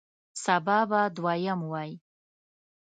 سبا به دویم وی